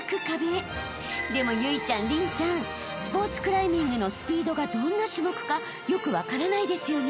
［でも有以ちゃん麟ちゃんスポーツクライミングのスピードがどんな種目かよく分からないですよね］